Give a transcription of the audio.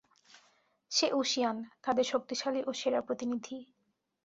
সে ঊশিয়ান, তাদের শক্তিশালী ও সেরা প্রতিনিধি।